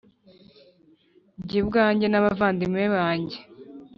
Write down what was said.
Jye ubwanjye n abavandimwe banjye